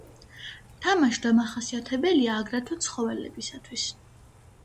თამაში დამახასიათებელია აგრეთვე ცხოველებისათვის.